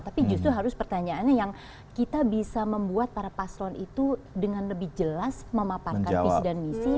tapi justru harus pertanyaannya yang kita bisa membuat para paslon itu dengan lebih jelas memaparkan visi dan misi